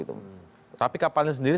tapi kapalnya sendiri